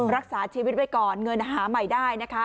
รักษาชีวิตไว้ก่อนเงินหาใหม่ได้นะคะ